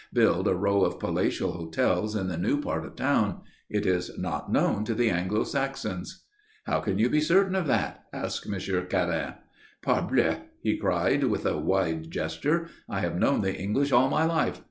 Build a row of palatial hotels in the new part of the town. It is not known to the Anglo Saxons." "How can you be certain of that?" asked Monsieur Quérin. "Parbleu!" he cried, with a wide gesture. "I have known the English all my life.